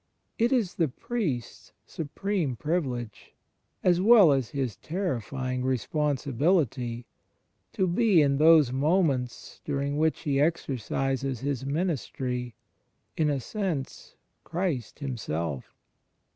It is the priest's supreme privilege, as well as his terrifying responsibiUty, to be, in those moments during which he exercises his ministry, in a sense Christ Himself.